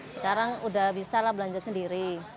sekarang udah bisa lah belanja sendiri